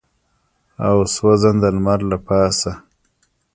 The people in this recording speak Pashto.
او سوځنده لمر له پاسه.